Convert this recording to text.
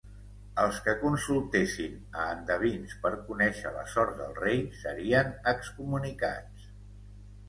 Els que consultessin a endevins per conèixer la sort del rei serien excomunicats.